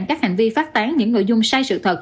các hành vi phát tán những nội dung sai sự thật